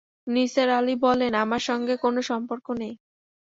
নিসার আলি বললেন, আমার সঙ্গে কোনো সম্পর্ক নেই।